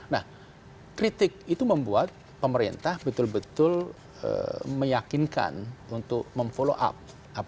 nah kritik itu membuat pemerintah betul betul meyakinkan untuk memfollow up